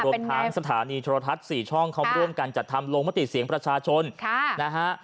รวมทั้งสถานีโทรทัศน์๔ช่องเขาร่วมกันจัดทำลงมติเสียงประชาชนนะฮะ